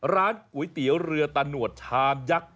ร้านก๋วยเตี๋ยวเรือตะหนวดชามยักษ์